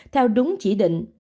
theo đúng chỉ định